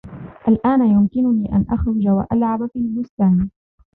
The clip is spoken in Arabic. الآن يمكنني أن أخرج و ألعب في البستان.